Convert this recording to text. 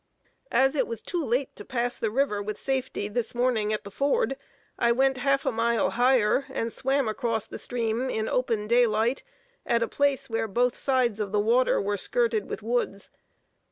As it was too late to pass the river with safety this morning at this ford, I went half a mile higher, and swam across the stream in open daylight, at a place where both sides of the water were skirted with woods.